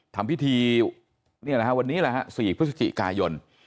ทำพิธีนี่แหละฮะวันนี้แหละฮะ๔พฤศจิกายน